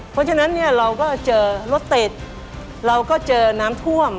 เพราะฉะนั้นเนี่ยเราก็เจอรถติดเราก็เจอน้ำท่วม